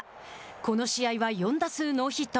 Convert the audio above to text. この試合は４打数ノーヒット。